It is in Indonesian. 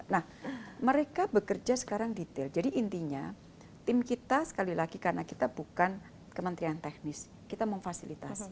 nah mereka bekerja sekarang detail jadi intinya tim kita sekali lagi karena kita bukan kementerian teknis kita memfasilitasi